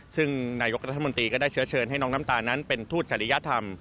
ซึ่งนายกรัฐมนตรีก็ได้เชื้อเชิญให้น้องน้ำตาลนั้นเป็นทูตจริยธรรม